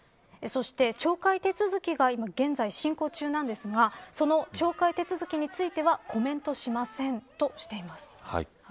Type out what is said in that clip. そして、懲戒手続きが現在進行中なんですがその懲戒手続きについてはコメントしませんとしています。